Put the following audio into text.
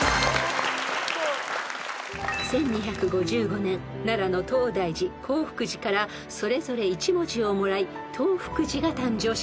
［１２５５年奈良の東大寺興福寺からそれぞれ１文字をもらい東福寺が誕生しました］